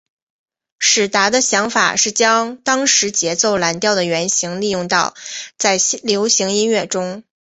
史达的想法是将当时节奏蓝调的原型利用到在流行音乐中。